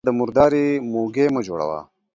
له ځانه د مرداري موږى مه جوړوه.